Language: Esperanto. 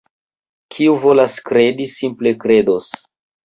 Kiu volas kredi, simple kredos.